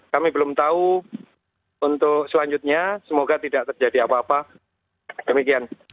kami belum tahu untuk selanjutnya semoga tidak terjadi apa apa demikian